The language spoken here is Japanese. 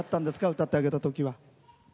歌ってあげたときは。